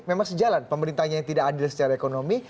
memang sejalan pemerintahnya yang tidak adil secara ekonomi